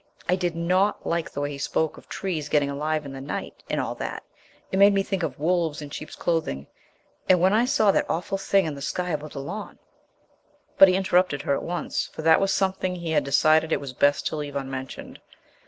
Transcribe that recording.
I did not like the way he spoke of trees getting alive in the night, and all that; it made me think of wolves in sheep's clothing. And when I saw that awful thing in the sky above the lawn " But he interrupted her at once, for that was something he had decided it was best to leave unmentioned.